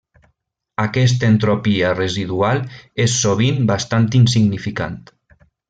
Aquesta entropia residual és sovint bastant insignificant.